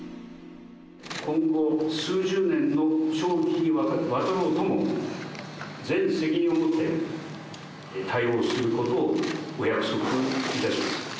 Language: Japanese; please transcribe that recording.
今後数十年の長期にわたろうとも、全責任を持って対応することをお約束いたします。